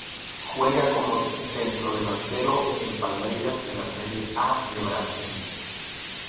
Juega como centrodelantero en Palmeiras de la Serie A de Brasil.